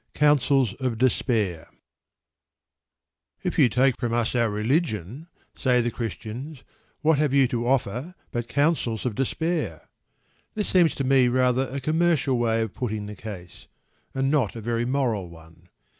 COUNSELS OF DESPAIR "If you take from us our religion," say the Christians, "what have you to offer but counsels of despair?" This seems to me rather a commercial way of putting the case, and not a very moral one.